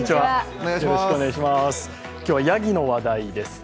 今日はヤギの話題です。